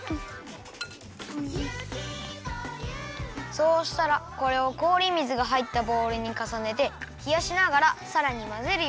そうしたらこれをこおり水がはいったボウルにかさねてひやしながらさらにまぜるよ。